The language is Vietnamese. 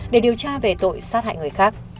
để điều tra về tội sát hại người khác